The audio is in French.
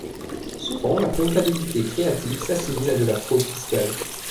Souvent la comptabilité créative s'assimile à de la fraude fiscale.